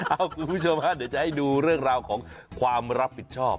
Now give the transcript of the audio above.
คุณผู้ชมฮะเดี๋ยวจะให้ดูเรื่องราวของความรับผิดชอบ